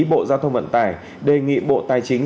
bộ giao thông vận tải đề nghị bộ tài chính